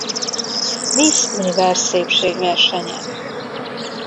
Miss Universe szépségversenyen.